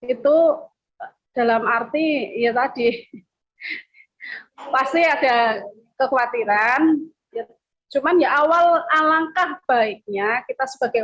itu dalam arti ya tadi pasti ada kekhawatiran ya cuman ya awal alangkah baiknya kita sebagai